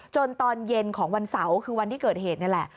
ตอนเย็นของวันเสาร์คือวันที่เกิดเหตุนี่แหละ